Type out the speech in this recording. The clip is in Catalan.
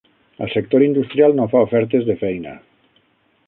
El sector industrial no fa ofertes de feina.